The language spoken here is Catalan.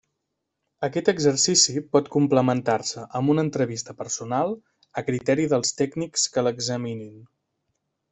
Aquest exercici pot complementar-se amb una entrevista personal, a criteri dels tècnics que l'examinin.